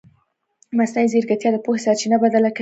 مصنوعي ځیرکتیا د پوهې سرچینه بدله کوي.